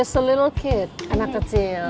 cuma anak kecil